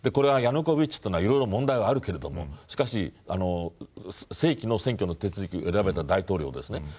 ヤヌコービッチというのはいろいろ問題はあるけれどもしかし正規の選挙の手続きで選ばれた大統領ですね。